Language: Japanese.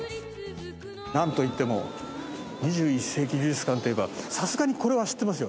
なんといっても２１世紀美術館といえばさすがにこれは知ってますよ。